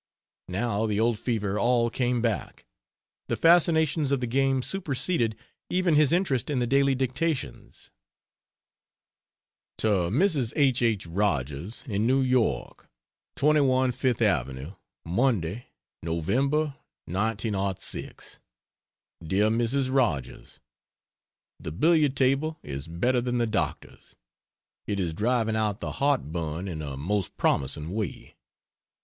Now the old fever all came back; the fascinations of the game superseded even his interest in the daily dictations. To Mrs. H. H. Rogers, in New York: 21 FIFTH AVENUE, Monday, Nov., 1906. DEAR MRS. ROGERS, The billiard table is better than the doctors. It is driving out the heartburn in a most promising way.